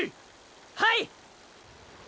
はい！